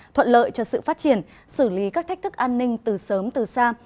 thuận lợi cho sự phát triển xử lý các thách thức an ninh từ sớm từ xa